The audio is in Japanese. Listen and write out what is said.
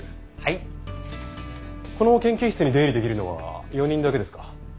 この研究室に出入りできるのは４人だけですか？